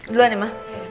duluan ya ma